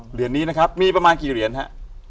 เหรียญนี้นะครับมีประมาณกี่เหรียญฮะ